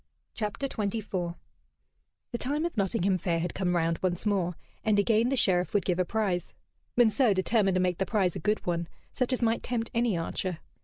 CHAPTER XXIV The time of Nottingham Fair had come round once more, and again the Sheriff would give a prize. Monceux determined to make the prize a good one, such as might tempt any archer.